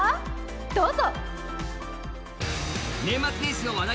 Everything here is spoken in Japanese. どうぞ！